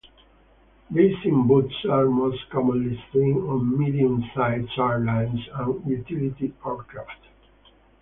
Deicing boots are most commonly seen on medium-sized airliners and utility aircraft.